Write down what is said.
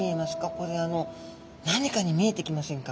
これ何かに見えてきませんか？